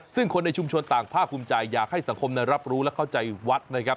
ซึ่งคนในชุมชนต่างภาคภูมิใจอยากให้สังคมรับรู้และเข้าใจวัดนะครับ